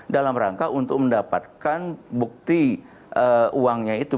dalam rangka untuk mendapatkan bukti uangnya itu